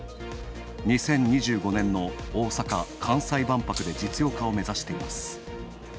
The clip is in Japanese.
２０２５年の大阪・関西万博で実用化を目指しています。